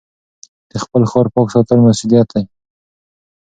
د خپل ښار پاک ساتل مسؤلیت دی.